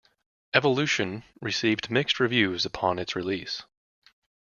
"Evolution" received mixed reviews upon its release.